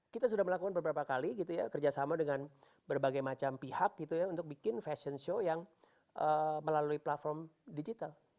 kita sudah melakukan beberapa kali kerjasama dengan berbagai macam pihak untuk bikin fashion show yang melalui platform digital